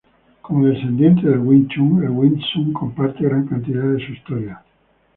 Como descendiente del Wing Chun, el Wing Tsun comparte gran cantidad de su historia.